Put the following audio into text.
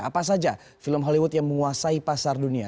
apa saja film hollywood yang menguasai pasar dunia